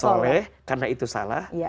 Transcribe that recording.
soleh karena itu salah